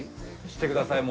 してください。